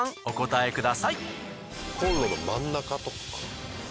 お答えください。